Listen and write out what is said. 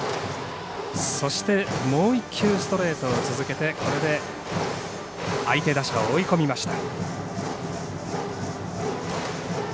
そして、もう１球ストレートを続けてこれで相手打者を追い込みました。